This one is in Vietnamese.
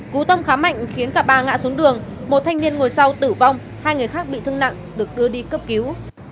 cú tông khá mạnh khiến cả ba ngã xuống đường một thanh niên ngồi sau tử vong hai người khác bị thương nặng được đưa đi cấp cứu